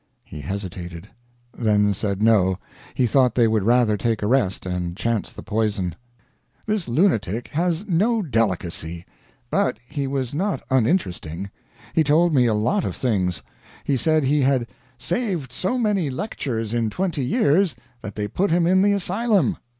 He hesitated; then said no, he thought they would rather take a rest and chance the poison. This lunatic has no delicacy. But he was not uninteresting. He told me a lot of things. He said he had "saved so many lecturers in twenty years, that they put him in the asylum."